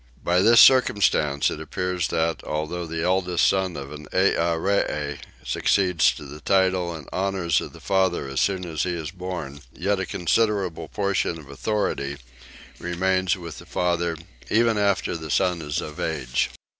By this circumstance it appears that, though the eldest son of an Earee succeeds to the title and honours of the father as soon as he is born, yet a considerable portion of authority remains with the father even after the son is of age.